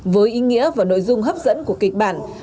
với ý nghĩa và nội dung hấp dẫn của kịch bản